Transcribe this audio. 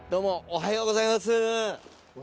おはようございます。